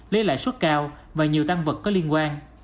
liên lại suất cao và nhiều tăng vật có liên quan